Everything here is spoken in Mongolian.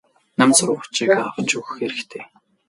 Ном сурах бичиг авч өгөх хэрэгтэй.